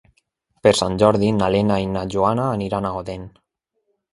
Per Sant Jordi na Lena i na Joana aniran a Odèn.